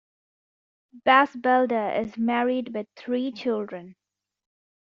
Bas Belder is married with three children.